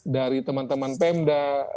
dari teman teman pemda